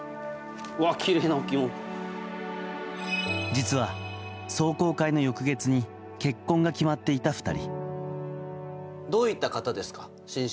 実は、壮行会の翌月に結婚が決まっていた２人。